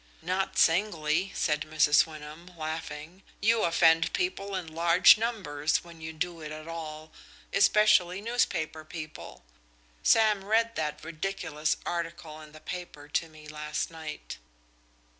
"Not singly," said Mrs. Wyndham, laughing. "You offend people in large numbers when you do it at all, especially newspaper people. Sam read that ridiculous article in the paper to me last night."